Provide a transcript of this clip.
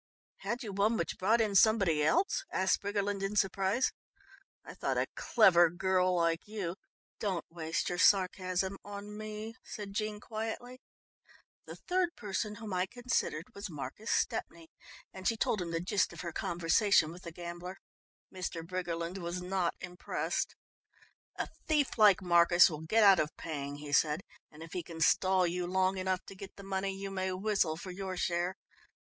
"Had you one which brought in somebody else?" asked Briggerland in surprise. "I thought a clever girl like you " "Don't waste your sarcasm on me," said Jean quietly. "The third person whom I considered was Marcus Stepney," and she told him the gist of her conversation with the gambler. Mr. Briggerland was not impressed. "A thief like Marcus will get out of paying," he said, "and if he can stall you long enough to get the money you may whistle for your share.